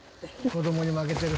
子供に負けてる。